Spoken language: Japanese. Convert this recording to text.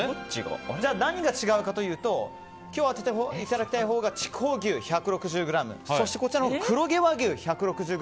じゃあ、何が違うかというと今日当てていただきたいほうが筑穂牛１６０ｇそしてこちらは黒毛和牛１６０ｇ。